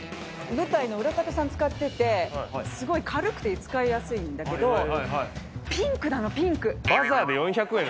舞台の裏方さんが使ってて、すごい軽くて使いやすいんだけど、バザーで４００円。